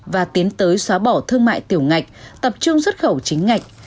và tiến tới xóa bỏ thương mại tiểu ngạch tập trung xuất khẩu chính ngạch